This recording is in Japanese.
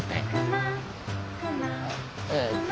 えっと。